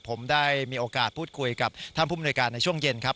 ผมได้มีโอกาสพูดคุยกับท่านผู้มนุยการในช่วงเย็นครับ